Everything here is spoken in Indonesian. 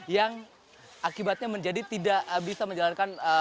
yang akibatnya menjadi tidak bisa menjalankan